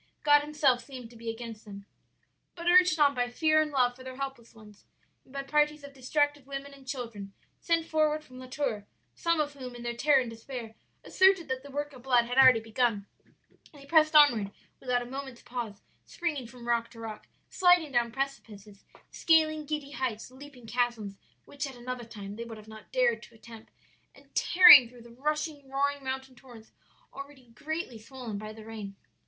God Himself seemed to be against them. "But urged on by fear and love for their helpless ones, and by parties of distracted women and children sent forward from La Tour some of whom, in their terror and despair, asserted that the work of blood had already begun they pressed onward without a moment's pause, springing from rock to rock, sliding down precipices, scaling giddy heights, leaping chasms which at another time they would not have dared to attempt, and tearing through the rushing, roaring mountain torrents already greatly swollen by the rain.